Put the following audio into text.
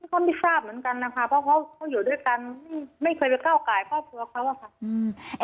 ก็ไม่ทราบเหมือนกันนะคะเพราะเขาอยู่ด้วยกันไม่เคยไปก้าวไก่ครอบครัวเขาอะค่ะ